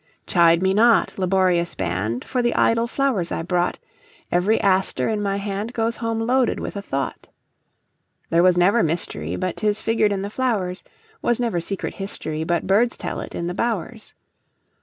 Chide me not, laborious band, For the idle flowers I brought; Every aster in my handGoes home loaded with a thought. There was never mysteryBut 'tis figured in the flowers; SWas never secret historyBut birds tell it in the bowers.